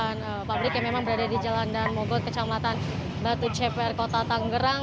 saya sudah berada di depan pabrik yang memang berada di jalan dan mogot kecamatan batu ceper kota tanggrang